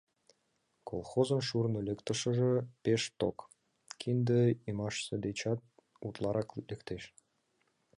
Колхозын шурно лектышыже пеш ток, кинде ӱмашсе дечат утларак лектеш.